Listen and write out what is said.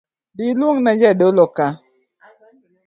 Dhii ilungna jodolo ka